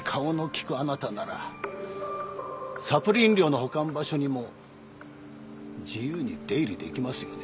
あなたならサプリ飲料の保管場所にも自由に出入りできますよね。